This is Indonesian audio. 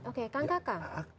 oke kang kakak